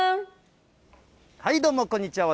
どうも、こんにちは。